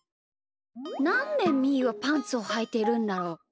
なんでみーはパンツをはいてるんだろう？